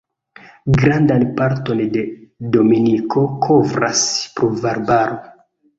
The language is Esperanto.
Grandan parton de Dominiko kovras pluvarbaro.